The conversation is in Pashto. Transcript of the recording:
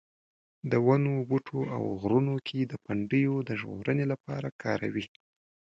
د ونو بوټو او غرونو کې د پنډیو د ژغورنې لپاره کاروي.